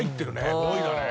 ５位だね。